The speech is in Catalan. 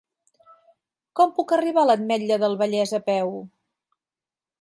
Com puc arribar a l'Ametlla del Vallès a peu?